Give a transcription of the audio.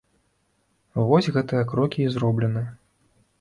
Вось гэтыя крокі і зроблены.